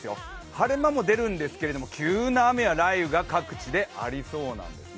晴れ間も出るんですけど、急な雨や雷雨が各地でありそうなんです。